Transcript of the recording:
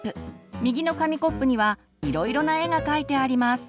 右の紙コップにはいろいろな絵が描いてあります。